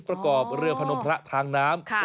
ประกอบเรือพนมพระทางน้ำ